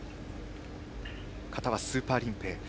形はスーパーリンペイ。